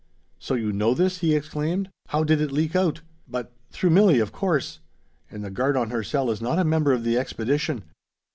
"So you know this?" he exclaimed. "How did it leak out? But through Milli, of course. And the guard on her cell is not a member of the expedition!